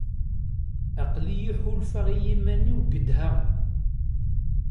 Aql-iyi ḥulfaɣ i yiman-iw gedha.